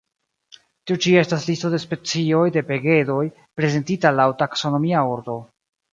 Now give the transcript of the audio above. Tiu ĉi estas listo de specioj de pegedoj, prezentita laŭ taksonomia ordo.